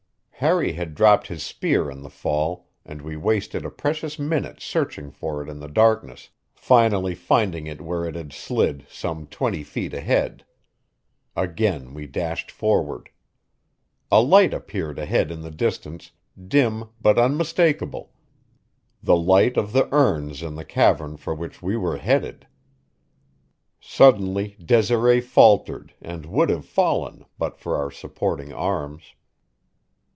Harry had dropped his spear in the fall, and we wasted a precious minute searching for it in the darkness, finally finding it where it had slid, some twenty feet ahead. Again we dashed forward. A light appeared ahead in the distance, dim but unmistakable the light of the urns in the cavern for which we were headed. Suddenly Desiree faltered and would have fallen but for our supporting arms.